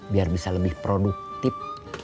biar bisa lebih produktif